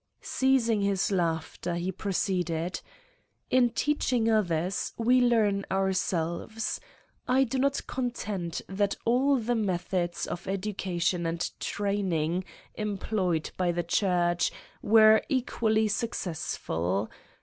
Ceasing his laughter he proceeded: "In teaching others, we learn ourselves. I do not contend that all the methods of education and training employed by the Church were equally successful.